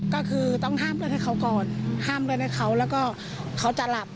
ก็คือต้องห้ามเลือดให้เขาก่อนห้ามเลือดให้เขาแล้วก็เขาจะหลับ